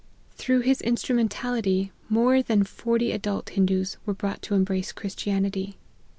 Through his instrumentality more than forty adult Hindoos were brought to embrace Christianity.